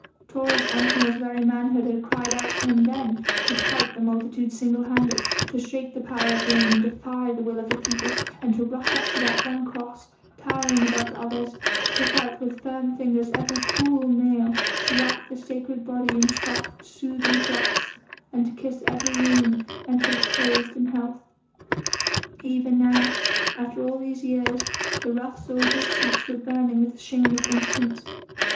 Taurus Antinor's very manhood had cried out to him then to fight the multitude single handed, to shake the power of Rome and defy the will of the people, and to rush up to that one Cross, towering above the others, to pick out with firm fingers every cruel nail, to wrap the sacred body in soft, soothing cloths, and to kiss every wound until it closed in health. Even now, after all these years, the rough soldier's cheeks were burning with the shame of impotence.